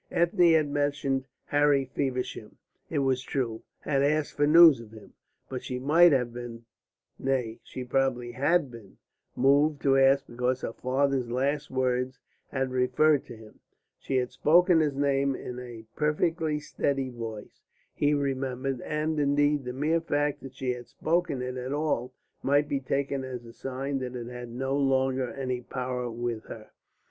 Ethne had mentioned Harry Feversham, it was true, had asked for news of him. But she might have been nay, she probably had been moved to ask because her father's last words had referred to him. She had spoken his name in a perfectly steady voice, he remembered; and, indeed, the mere fact that she had spoken it at all might be taken as a sign that it had no longer any power with her.